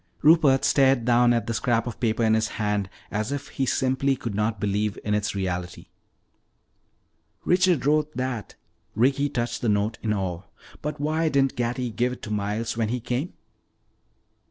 Rupert stared down at the scrap of paper in his hand as if he simply could not believe in its reality. "Richard wrote that." Ricky touched the note in awe. "But why didn't Gatty give it to Miles when he came?"